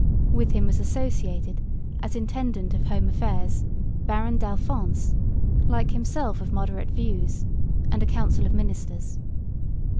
With him was associated, as Intendant of Home Affairs, Baron D'Alphonse, like himself of moderate views, and a Council of Ministers.